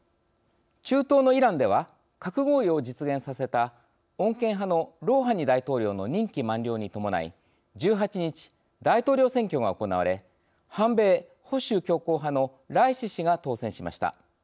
中東のイランでは核合意を実現させた穏健派のロウハニ大統領の任期満了にともない１８日、大統領選挙が行われ反米・保守強硬派のライシ師が当選しました。